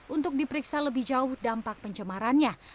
untuk diperiksa lebih jauh dampak pencemarannya